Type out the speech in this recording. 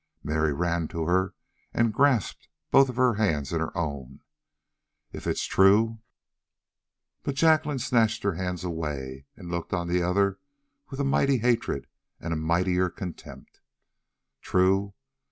Mary ran to her and grasped both of her hands in her own. "If it's true " But Jack snatched her hands away and looked on the other with a mighty hatred and a mightier contempt. "True?